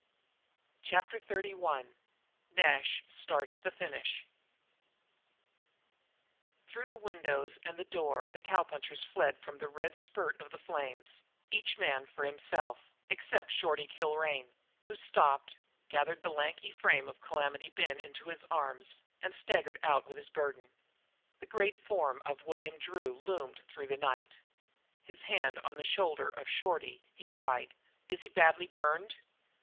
CHAPTER XXXI NASH STARTS THE FINISH Through the windows and the door the cowpunchers fled from the red spurt of the flames, each man for himself, except Shorty Kilrain, who stooped, gathered the lanky frame of Calamity Ben into his arms, and staggered out with his burden. The great form of William Drew loomed through the night. His hand on the shoulder of Shorty, he cried: "Is he badly burned?"